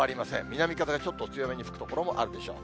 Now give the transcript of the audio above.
南風がちょっと強めに吹く所もあるでしょう。